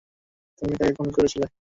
তুমি কাকে খুন করিয়েছিলে?